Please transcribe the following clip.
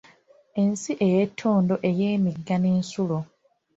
Ensi ey’ettendo ey’emigga n’ensulo.